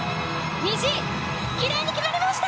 虹きれいに決まりました！